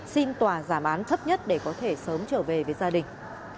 xin tòa giảm án thấp nhất để có thể sớm trở về với gia đình